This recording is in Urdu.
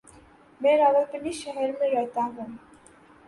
میں راولپنڈی شہر میں رہتا ہوں۔